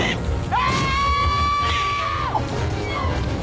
あ！